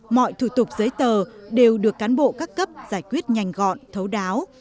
mọi thủ tục giấy tờ đều được cán bộ các cấp giải quyết nhanh gói